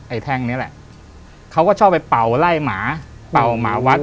แท่งนี้แหละเขาก็ชอบไปเป่าไล่หมาเป่าหมาวัด